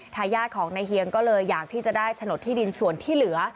ทายาทของนายเฮียงก็เลยอยากที่จะได้ฉนดที่ดินส่วนที่เหลือ